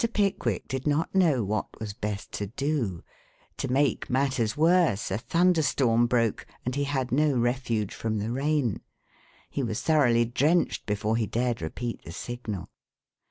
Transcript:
Pickwick did not know what was best to do. To make matters worse, a thunder storm broke and he had no refuge from the rain. He was thoroughly drenched before he dared repeat the signal.